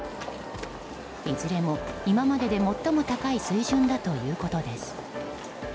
いずれも今までで最も高い水準だということです。